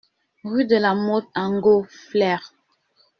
Rue de la Motte Ango, Flers